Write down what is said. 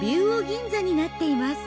銀座になっています。